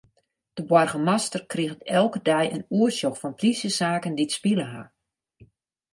De boargemaster kriget elke dei in oersjoch fan plysjesaken dy't spile ha.